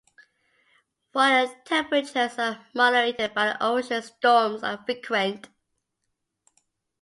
While temperatures are moderated by the ocean, storms are frequent.